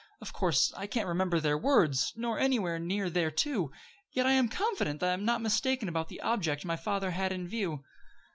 Of course, I can't remember their words, nor anywhere near thereto; yet I am confident that I am not mistaken about the object my father had in view.